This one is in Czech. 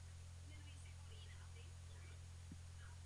Závěrem se zmíním o realizačních kanálech financování ochrany klimatu.